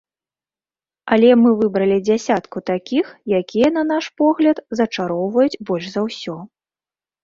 Але мы выбралі дзясятку такіх, якія, на наш погляд, зачароўваюць больш за ўсё.